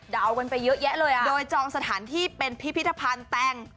กันไปเยอะแยะเลยอ่ะโดยจองสถานที่เป็นพิพิธภัณฑ์แต่ง